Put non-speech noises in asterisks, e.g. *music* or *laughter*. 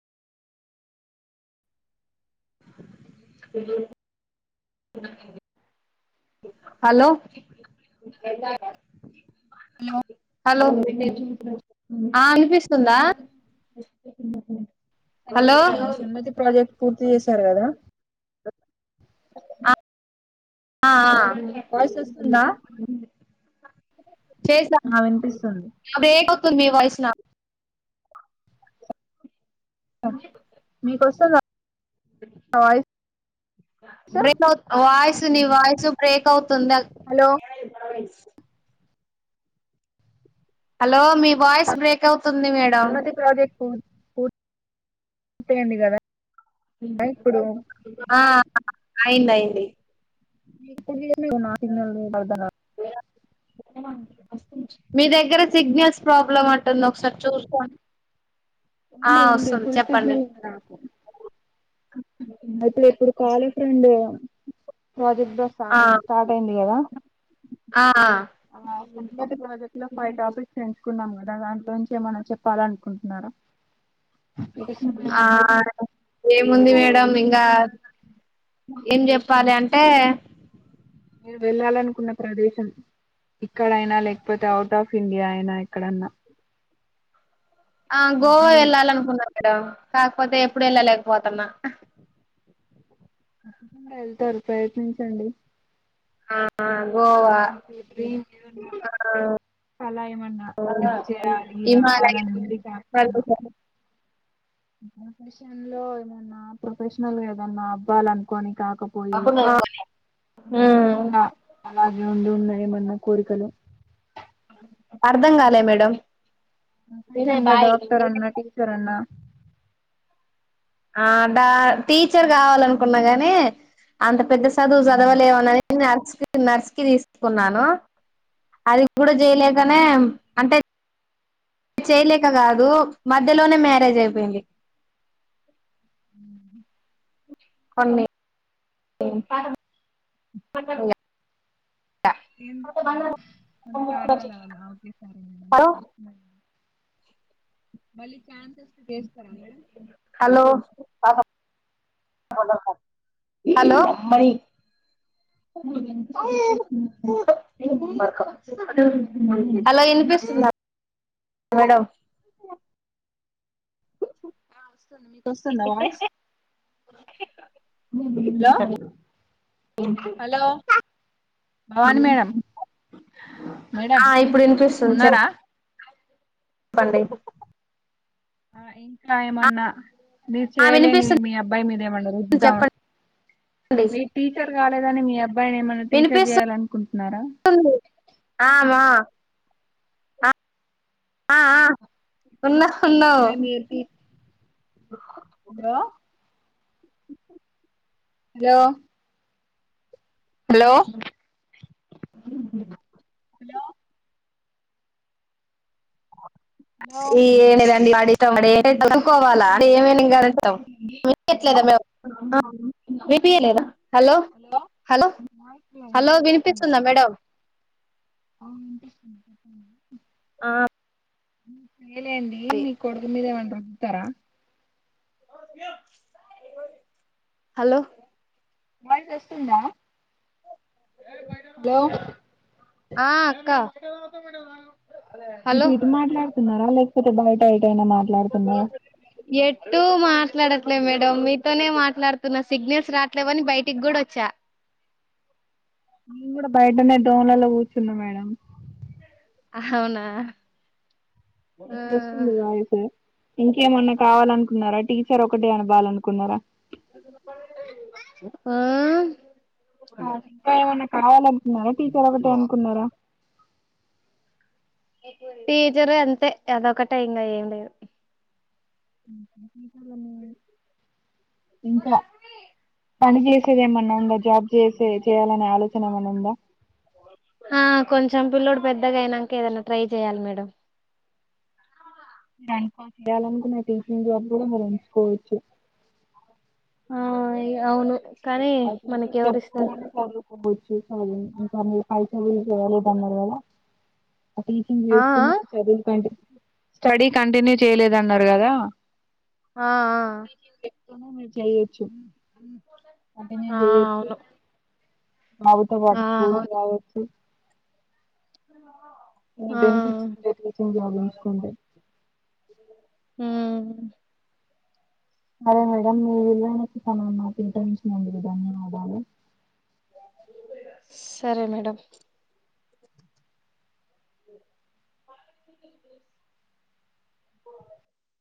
Hello hello hello ఆ వినిపిస్తుందా hello సమతి ఆ సన్మతి ప్రాజెక్ట్ పూర్తి చేసారు కదా *inaudible* ఆ ఆ చేసా ఆ వినిపిస్తుంది బ్రేక్ మీ వాయిస్ నా మీ కోస్తు *inaudible* బ్రేక్ అవుతు వాయిసు నీ వాయిస్ బ్రేక్ అవుతుందా హలో హలో మీ వాయిస్ బ్రేక్ అవు ఎటువంటి ప్రాజెక్ట్ అయిపొయింది కదా ఇప్పుడు *inaudible* ఆ ఆ అయింది అయింది మీరు సింగిల్ గానే *inaudible* *inaudible* మీ దగ్గర సిగ్నల్స్ ప్రాబ్లమ్ గా ఉంటుంది ఒకసారి చూసుకొండి ఉంది ఉంది ఫుల్ సిగ్నల్ ఉంది నాకు ఓకే ఎప్పుడు ఎప్పుడు కాళీ ప్రెండ్ ప్రాజెక్ట్ లో ఆ స్టార్ట్ స్టార్ట్ అయింది కదా ఆ ఆ సన్నాతి ప్రాజెక్ట్ లో ఫైవ్ టాపీక్స్ ఎంచుకున్నాం కదా ఇక దాంట్లో నుంచి ఏమన్నా చెప్పాలన అనుకుంటున్నారా ఆ ఏముంది ఊరు మేడం ఇం ఇంకా ఏం చెప్పాలి అంటే మీరు వెళ్ళాలనుకున్న ప్రదేశం ఇక్కడైనా లేకపోతే అవుట్ ఆఫ్ ఇండియా అయినా ఎక్కడన్నా ఆ మీ గోవా డ్రీమ్ ఎల్లలకున్నా మేడం కాకపోతే ఎప్పుడు వెళ్ళలేకపోతాన్న తప్పకుండా వెళ్తారు ప్రయత్నించండి ఆ గోవా ఇ మీకు డ్రీం ఏదన్నా పలాయమన్నా ఇది చేయాలి ఇది హిమాలయ అవ్వాలని కాకపోయినా ప్రదేశాలు ప్రొఫెషన్ లో ఏమన్నా ప్రొఫెషనల్ ఏదన్నా అవ్వల అనుకోని *unintelligible* ఊ ఊ అలా ఉండి ఉన్నా ఏమన్నా కోరికలు అర్ధం కాలే మేడం ఇంగా డాక్టర్ అన్నా టీచర్ అన్నా ఆ డా టీచర్ కావాలనుకున్నా కానీ అంత పెద్ద చదువు అవునా చదవలేను అని *unintelligible* నర్స్కి తీసుకున్నాను అది కూడా ఉమ్. చేయలేకనే అంటే చేయలేక కాదు మధ్యలోనే మ్యారేజ్ అయిపోయింది కొన్ని *unintelligible* ఎందుకు మేడం కొన్ని కారణాలు అలా హలో *unintelligible* మళ్ళీ చాన్స్ వస్తే చేస్తారా మేడం హలో హలో వినిపిస్తుందా మేడం ఆ వస్తుంది మీకు వస్తుంది voice hello hello Bhavani madam madam ఆ ఇప్పుడు వినిపిస్తుంది చెప్ ఉన్నారా *unintelligible* ఆ ఏ గా ఏమన్నా మీరు ఆ చేయలేని వినిపిస్తుంది మీ అబ్బాయి మీద ఏమన్నా రుద్దాతా చెప్పండి మీ టీచర్ మీరు కాలేదని మీ అబ్బాయి అబ్బాయిని ఏమన్నా టీచర్ చేయాల వినిపిస్తుంది అనుకుంటున్నారా ఆ మా ఆ ఆ ఉన్నట్టున్నావ్ మీరు టీ hello hello hello *unintelligible* hello hello hello ఎమ్ లేదండీ వాడి *unintelligible* హలో వినిపీయట్లేద వినిపీయలేదా hello hello voice hello break అవుతుంది వినిపిస్తుందా మేడం ఆ వినిపిస్తుంది ఆ నేనేంది అది మీ కొడుకు మీద వస్తారా హలో వాయిస్ వస్తుందా హలో ఆ అక్క *inaudible* హలో ఇటు ఇటు మాట్లాడుతున్నార లేకపోతే బయ ఎటు మాట్ మాట్లాడట్లేదు మేడం మీతోనే మాట్లాడుతున్న సిగ్నల్స్ రాట్లేవని బయటికి కూడా వచ్చా నేను కూడా బయటనే దోమ్లలలో కూర్చున్నా మేడం అహవునా ఇప్పుష్ట ఉదా స ఇంకేమన్నా కావాలనుకున్నారా టీచర్ ఒకటే అనభవాలనుకున్నారా ఆ ఇంకా ఏమన్నా కాన న్నద టీచర్ ఒకటే అనుకున్నారా టీచర్ అంతే అదొకటే ఇంకా ఏం లేదు ల ఇంకా పని చేసేది ఏమన్నా ఉందా జాబ్ చేసే చేయాలనే ఆలోచన ఏమన్నా ఉందా ఆ కొంచెం పిల్లోడు పెద్దగా అయినాక ఏదైనా ట్రై చేయాలి మేడం దానికో చేయాలనుకున్న టీచింగ్ జాబ్ కూడా మనం ఎంచుకోవచ్చు ఆ ఇగ అవును కానీ అయిపోయినంక మనకి ఎవరు చెప్పు ఇస్తారు నేను సర్దుకుపో చూసావా నువ్వు అయితేంది లేదన్నారు కదా ఆ టీచింగ్ ఆ చేస్తునే చదువు కంటిన్యూ స్టడీ కంటిన్యూ చేయలేదన్నారు కదా ఆ ఆ ఏమో మీర్ *inaudible* అంటే ఆ ఆ నేను ఆ చేయచ్చి అవును మావుతో పాటు ఆ స్కూల్ కి అవును రావచ్చు. అ ఇన్ని ఆ బెనిఫిట్స్ ఉండేటివి స్కూల్ జాబ్ ఎంచుకుంటే ఉమ్ అదే మేడం మీ విలువైన సమయాన్ని నాకు కేటాయించినందుకు ధన్యవాదాలు. సరే మేడం *unintelligible*